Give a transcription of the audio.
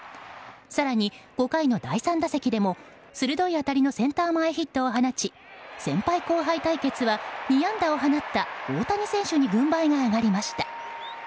更に、５回の第３打席でも鋭い当たりのセンター前ヒットを放ち先輩・後輩対決は２安打を放った大谷選手に軍配が上がりました。